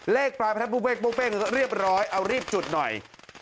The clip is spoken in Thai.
เลขปลายประทัดเวกเรียบร้อยเอารีบจุดหน่อย